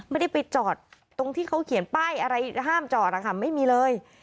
ไม่ได้ไปจอดตรงที่เขาเขียนป้ายอะไรห้ามจอดนะคะไม่มีเลย